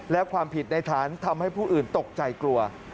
และความผิดในฐานทำให้ผู้อื่นตกใจกลัว